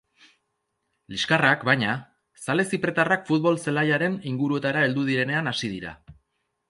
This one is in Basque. Liskarrak, baina, zale zipretarrak futbol zelaiaren inguruetara heldu direnean hasi dira.